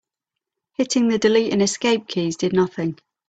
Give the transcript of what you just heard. Hitting the delete and escape keys did nothing.